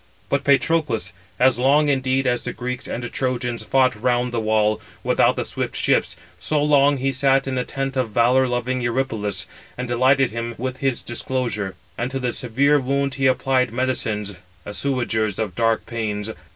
But Patroclus, as long indeed as the Greeks and Trojans fought round the wall, without the swift ships, so long he sat in the tent of valour loving Eurypylus, and delighted him with his discourse; and to the severe wound he applied medicines, assuagers of dark pains.